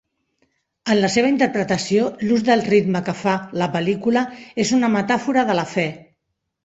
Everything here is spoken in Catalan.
En la seva interpretació, l'ús del ritme que fa la pel·lícula és una metàfora de la fe.